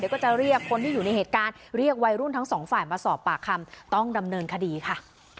ก็จะเรียกคนที่อยู่ในเหตุการณ์เรียกวัยรุ่นทั้งสองฝ่ายมาสอบปากคำต้องดำเนินคดีค่ะ